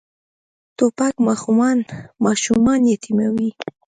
توپک ماشومان یتیموي.